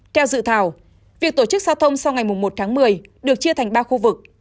theo dự thảo việc tổ chức xa thông sau ngày một một mươi được chia thành ba khu vực